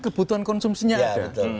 kebutuhan konsumsinya ada